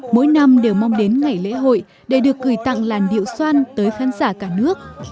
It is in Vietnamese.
mỗi năm đều mong đến ngày lễ hội để được gửi tặng làn điệu xoan tới khán giả cả nước